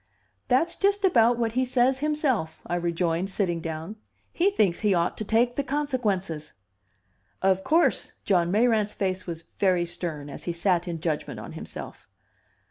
"That's just about what he says himself," I rejoined, sitting down. "He thinks he ought to take the consequences." "Of course!" John Mayrant's face was very stern as he sat in judgment on himself.